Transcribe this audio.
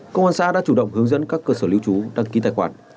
công an xã đã chủ động hướng dẫn các cơ sở lưu trú đăng ký tài khoản